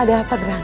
ada apa gerangan